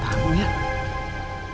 tidak ada yang lain lagi